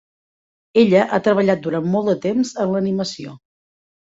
Ella ha treballat durant molt de temps en l'animació.